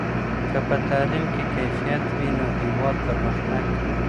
که په تعلیم کې کیفیت وي نو هېواد پرمختګ کوي.